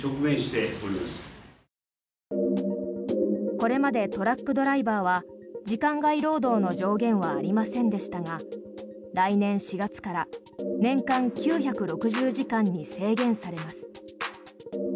これまでトラックドライバーは時間外労働の上限はありませんでしたが来年４月から年間９６０時間に制限されます。